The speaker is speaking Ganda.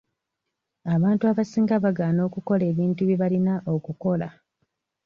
Abantu abasinga bagaana okukola ebintu bye balina okukola.